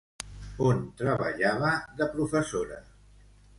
On treballava de professora?